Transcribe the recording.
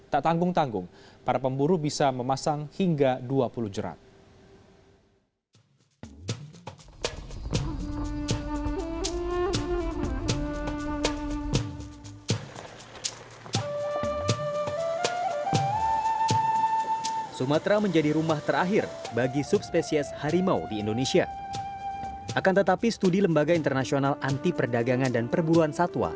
tak tanggung tanggung para pemburu bisa memasang hingga dua puluh jerat